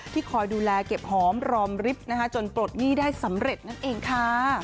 คอยดูแลเก็บหอมรอมริฟท์จนปลดหนี้ได้สำเร็จนั่นเองค่ะ